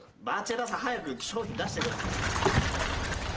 バチェ田さん早く商品出してください。